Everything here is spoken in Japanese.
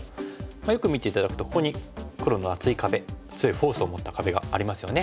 よく見て頂くとここに黒の厚い壁強いフォースを持った壁がありますよね。